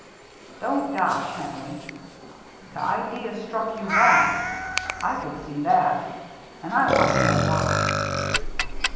"Don't dodge, Henry. The idea struck you wrong. I could see that, and I want to know why."